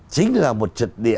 chính là một trật địa